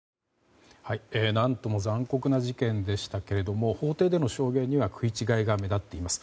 何とも残酷な事件でしたけれども法廷での証言には食い違いが目立っています。